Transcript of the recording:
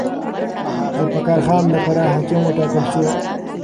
ذوالفقار خان د فراه حاکم وټاکل شو.